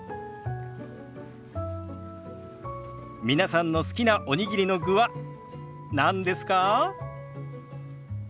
皆さんの好きなおにぎりの具は何ですか？